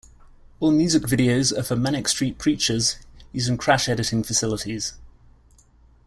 All music videos are for Manic Street Preachers, using 'Crash Editing' facilities.